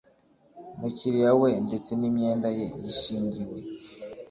mukiriya we ndetse n imyenda ye yishingiwe